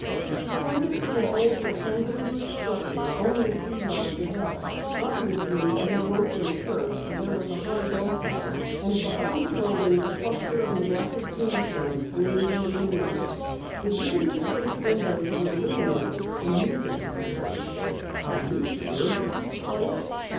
She pointed to an old, rectangular brick structure only a few yards ahead. Obviously it once had been a church for there was a high bell tower, and behind the building a cluster of neglected tombstones gleamed in the moonlight. The evenly spaced windows were illuminated, and music could be heard. "Are you sure this is the place?"